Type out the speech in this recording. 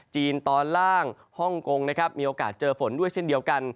จีนตอนล่างฮ่องกงนะครับมีโอกาสเจอฝนด้วยเช่นเดียวกัน